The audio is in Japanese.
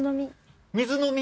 水飲み。